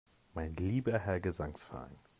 Mein lieber Herr Gesangsverein!